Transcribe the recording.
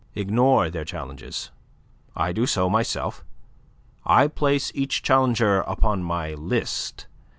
Ignore their challenges. I do so myself. I place each challenger upon my list.